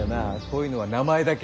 こういうのは名前だけ。